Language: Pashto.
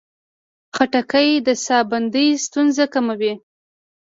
خټکی د ساه بندي ستونزې کموي.